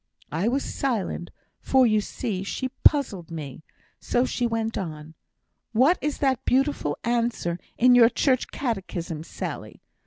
I was silent, for, you see, she puzzled me. So she went on, 'What is that beautiful answer in your Church catechism, Sally?'